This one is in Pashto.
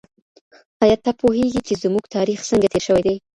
ايا ته پوهېږې چي زموږ تاريخ څنګه تېر شوی دی؟